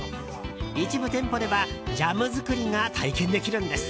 一部店舗ではジャム作りが体験できるんです。